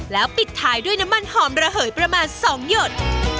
แล้วปิดท้ายด้วยน้ำมันหอมระเหยประมาณ๒หยด